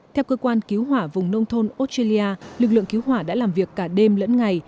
theo cơ quan cứu hỏa vùng nông thôn australia lực lượng cứu hỏa đã làm việc cả đêm lẫn ngày